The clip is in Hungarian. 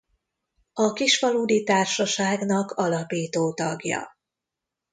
A Kisfaludy-társaságnak alapító tagja.